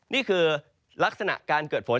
นี่คือลักษณะการเกิดฝน